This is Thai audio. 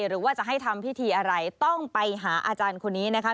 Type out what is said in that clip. หรือว่าจะให้ทำพิธีอะไรต้องไปหาอาจารย์คนนี้นะคะ